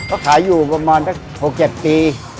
ก็ขายอยู่ประมาณสัก๖๗ปี